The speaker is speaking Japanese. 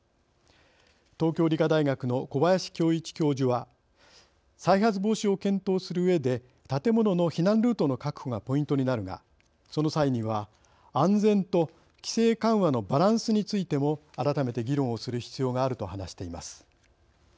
東京理科大学の小林恭一教授は「再発防止を検討するうえで建物の避難ルートの確保がポイントになるがその際には安全と規制緩和のバランスについても改めて議論をする必要がある」と話しています。